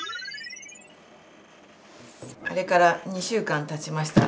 あれから２週間たちました。